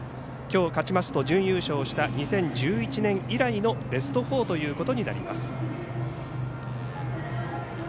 きょう、勝ちますと準優勝した２０１１年以来のベスト４ということになります。